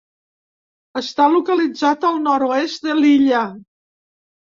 Està localitzat al nord-oest de l'illa.